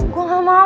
gue gak mau